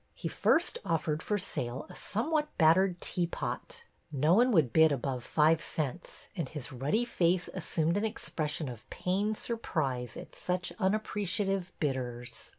He first offered for sale a somewhat battered teapot. No one would bid above five cents, and his ruddy face assumed an expres sion of pained surprise at such unappreciative bidders.